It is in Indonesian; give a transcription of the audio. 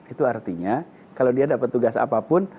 itu artinya kalau dia dapat tugas apapun